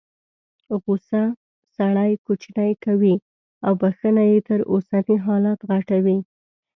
غوسه سړی کوچنی کوي او بخښنه یې تر اوسني حالت غټوي.